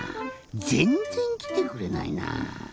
ぜんっぜんきてくれないなぁ。